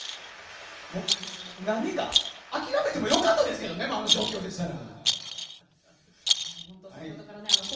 諦めても良かったですけどあの状況でしたら。